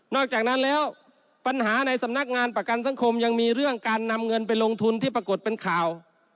อกจากนั้นแล้วปัญหาในสำนักงานประกันสังคมยังมีเรื่องการนำเงินไปลงทุนที่ปรากฏเป็นข่าว